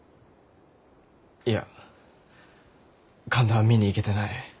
いや神田は見に行けてない。